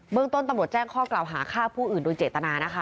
เมืองต้นตำรวจแจ้งข้อกล่าวหาฆ่าผู้อื่นโดยเจตนานะคะ